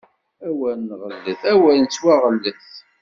Awer nɣellet, awer nettwaɣellet!